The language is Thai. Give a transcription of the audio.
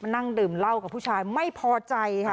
นั่งดื่มเหล้ากับผู้ชายไม่พอใจค่ะ